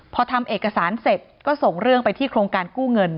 พอทำเอกสารเสร็จก็ส่งเรื่องไปที่โครงการกู้เงิน